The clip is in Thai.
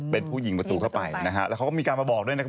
เป็นผู้หญิงประตูเข้าไปนะฮะแล้วเขาก็มีการมาบอกด้วยนะครับ